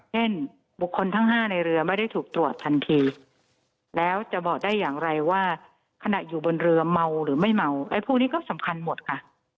เช่นบุคคลทั้ง๕ในเรือไม่ได้ถูกตรวจทันทีแล้วจะบอกได้อย่างไรว่าขณะอยู่บนเรือเมาหรือไม่เมาไอ้พวกนี้ก็สำคัญหมดค่ะ